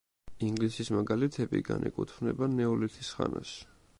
ინგლისის მეგალითები განეკუთვნება ნეოლითის ხანას.